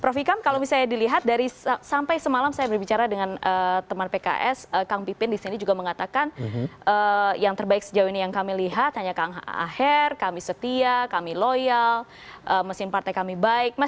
prof ikam kalau misalnya dilihat dari sampai semalam saya berbicara dengan teman pks kang pipin disini juga mengatakan yang terbaik sejauh ini yang kami lihat hanya kang aher kami setia kami loyal mesin partai kami baik mas